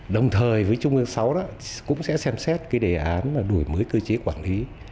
đồng thời với trung ương sáu đó cũng sẽ xem xét cái đề án đổi mới cơ chế quản lý